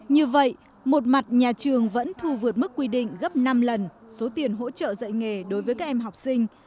như vậy một mặt nhà trường vẫn thu vượt mức quy định gấp năm lần số tiền hỗ trợ dạy nghề đối với các em học sinh